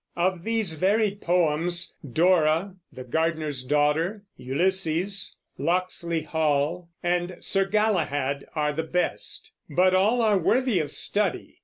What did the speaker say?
Of these varied poems, "Dora," "The Gardener's Daughter," "Ulysses," "Locksley Hall" and "Sir Galahad" are the best; but all are worthy of study.